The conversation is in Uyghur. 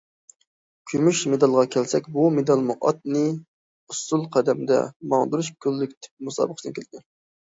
كۈمۈش مېدالغا كەلسەك، بۇ مېدالمۇ ئاتنى ئۇسسۇل قەدىمىدە ماڭدۇرۇش كوللېكتىپ مۇسابىقىسىدىن كەلگەن.